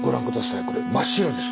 これ真っ白です。